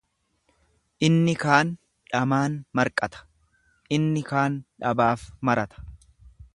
Inni kaan dhamaan marqata inni kaan dhabaaf marata.